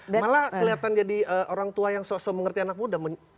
malah kelihatan jadi orang tua yang sok so mengerti anak muda